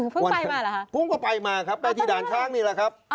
เพิ่งไปมาเหรอครับพรุ่งก็ไปมาครับไปที่ด่านช้างนี่แหละครับ